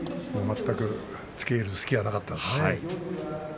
全くつけいる隙がなかったですね。